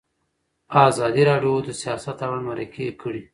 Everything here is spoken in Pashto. ازادي راډیو د سیاست اړوند مرکې کړي.